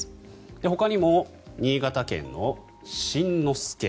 ほかにも新潟県の新之助。